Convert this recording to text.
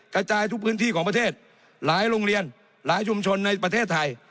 กระจายทุกพื้นที่ของประเทศหลายโรงเรียนหลายชุมชนในประเทศไทย